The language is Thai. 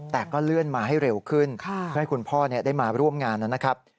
แต่ก็เลื่อนมาให้เร็วขึ้นเพื่อให้คุณพ่อได้มาร่วมงานนะครับ